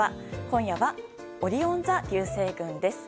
今夜はオリオン座流星群です。